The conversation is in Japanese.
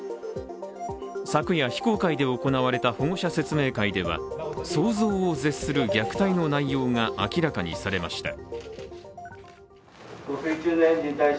昨夜、非公開で行われた保護者説明会では想像を絶する虐待の内容が明らかにされました